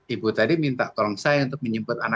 ibu tadi minta tolong saya untuk menjemput anak